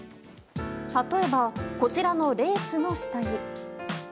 例えば、こちらのレースの下着。